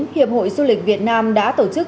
hiệp hội du lịch việt nam đã tổ chức